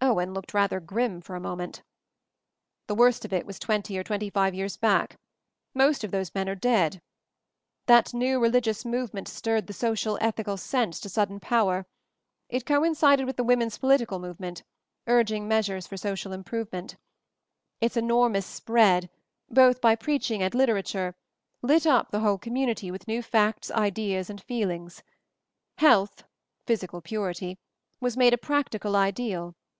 Owen looked rather grim for a moment. "The worst of it was twenty or twenty five years back. Most of those men are dead. That new religious movement stirred the socio ethical sense to sudden power; it co incided with the women's political movement, urging measures for social improvement; its enormous spread, both by preaching and lit erature, lit up the whole community with new facts, ideas and feelings. Health — physical purity — was made a practical ideal.